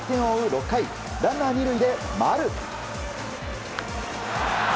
６回ランナー２塁で、丸。